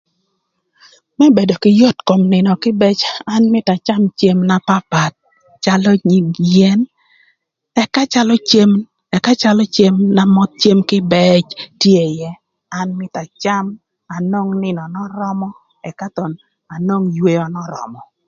Më bedo kï yot kom nïnö kïbëc an mïtö acam cem na papath calö nyig yen ëka calö cem ëka calö cem na möc cem kïbëc tye ïë an mïtö acam anwong nïnö n'örömö ëka thon anwong yweo n'örömö.